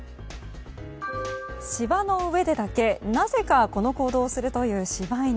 芝の上でだけなぜかこの行動をするという柴犬。